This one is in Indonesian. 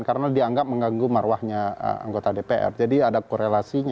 karena dianggap mengganggu marwahnya anggota dpr jadi ada korelasinya